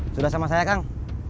sudah sama saya kang